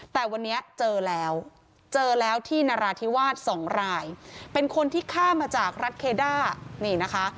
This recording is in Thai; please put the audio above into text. แต่วันนี้เจอแล้วที่นราธิวาส๒รายเป็นคนที่ข้ามมาจากรัสเคด้า